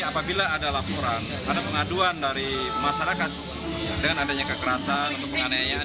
apabila ada laporan ada pengaduan dari masyarakat dengan adanya kekerasan atau penganiayaan